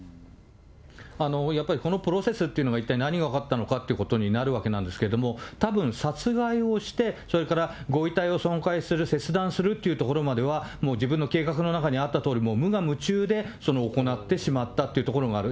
やっぱりこのプロセスっていうのが、一体何があったのかということになるわけなんですけれども、たぶん、殺害をして、それからご遺体を損壊する、切断をするというところまでは、もう自分の計画の中にあったとおり、無我夢中で行ってしまったというところがある。